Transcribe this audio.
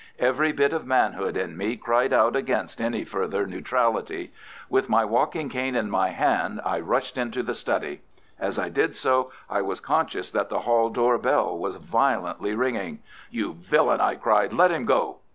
Every bit of manhood in me cried out against any further neutrality. With my walking cane in my hand I rushed into the study. As I did so I was conscious that the hall door bell was violently ringing. "You villain!" I cried, "let him go!"